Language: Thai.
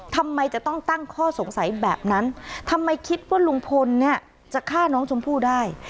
ทำไมจะต้องตั้งข้อสงสัยแบบนั้นทำไมคิดว่าลุงพลเนี่ยจะฆ่าน้องชมพู่ได้